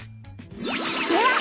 では！